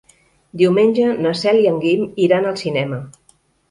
Diumenge na Cel i en Guim iran al cinema.